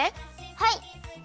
はい！